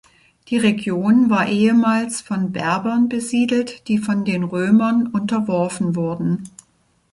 Die Region war ehemals von Berbern besiedelt, die von den Römern unterworfen wurden.